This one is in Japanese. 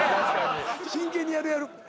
真剣にやるやる。